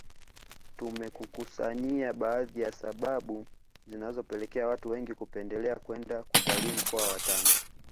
Tumekukusanyia baadhi ya sababu zinazopelekea watu wengi kupendelea kwenda kutalii mkoa wa Tanga